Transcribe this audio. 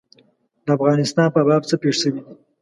د افغانستان په باب څه پېښ شوي دي.